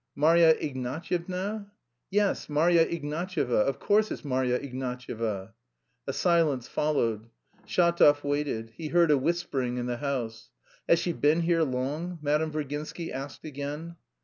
"Marya Ignatyevna?" "Yes, Marya Ignatyevna. Of course it's Marya Ignatyevna." A silence followed. Shatov waited. He heard a whispering in the house. "Has she been here long?" Madame Virginsky asked again.